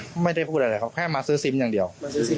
ก็ไม่ได้พูดอะไรครับแค่มาซื้อซิมอย่างเดียว